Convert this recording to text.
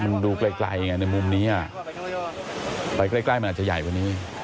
มันดูไกลไงในมุมนี้ไปใกล้มันอาจจะใหญ่กว่านี้